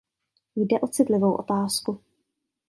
Jde o citlivou otázku.